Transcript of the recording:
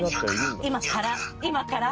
今から。